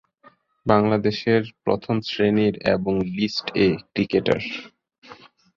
বাংলাদেশের প্রথম শ্রেণির এবং লিস্ট এ ক্রিকেটার।